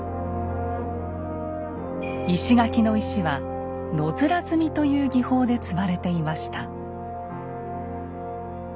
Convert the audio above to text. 石垣の石は「野面積み」という技法で積まれていました。